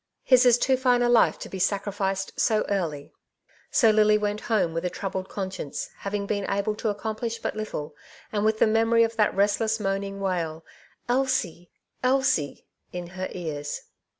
'' His is too fine a life to be sacrificed so early /^ So Lily went home with a troubled conscience, having been able to accomplish but little, and with the memory of that restless moaning wail, '' Elsie ! Elsie !" in her ears.